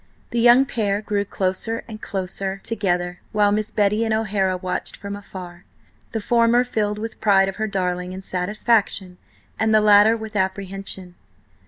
The young pair grew closer and closer together, while Miss Betty and O'Hara watched from afar, the former filled with pride of her darling, and satisfaction, and the latter with apprehension.